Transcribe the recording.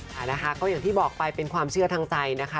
ค่ะนะคะก็อย่างที่บอกไปเป็นความเชื่อทางใจนะคะ